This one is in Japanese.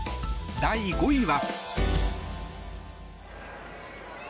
第５位は。